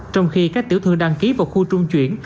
trong khi các tiểu thương đăng ký vào khu trung chuyển